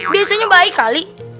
biasanya baik kali